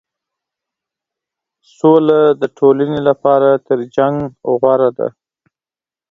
سوله د ټولنې لپاره تر جنګ غوره ده.